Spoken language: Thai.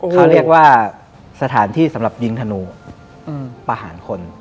เขาเรียกว่าสถานที่สำหรับยิงธนูประหารคน